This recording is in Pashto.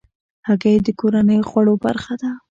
هګۍ د کورنیو خوړو برخه ده.